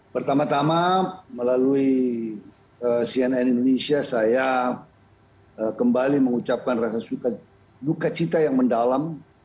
pertama tama melalui cnn indonesia saya kembali mengucapkan rasa duka cita yang mendalam